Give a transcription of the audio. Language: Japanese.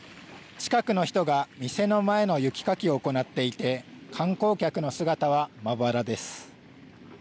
近くの人が店の前の雪かきを行っていて観光客の姿はまばらです。